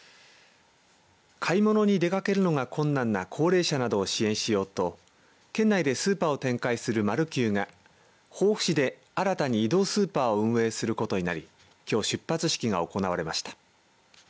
買い物に出かけるのが困難な高齢者などを支援しようと県内でスーパーを展開する丸久が防府市で新たに移動スーパーを運営することになりきょう出発式が行われました。